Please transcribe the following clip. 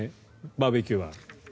バーベキューは。